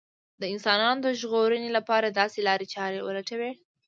د انسانانو د ژغورنې لپاره داسې لارې چارې ولټوي